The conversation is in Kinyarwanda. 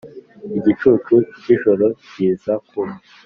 igicucu cyijoro kiza ku